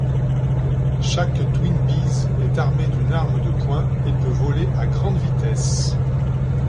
Chaque TwinBees est armé d'une arme de poing et peut voler à grande vitesse.